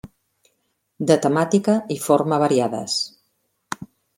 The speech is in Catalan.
De temàtica i forma variades.